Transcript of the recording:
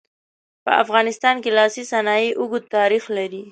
په افغانستان کې لاسي صنایع اوږد تاریخ لري.